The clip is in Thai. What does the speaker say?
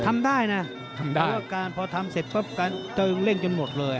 ทำได้นะพอทำเสร็จปุ๊บก็เร่งจนหมดเลย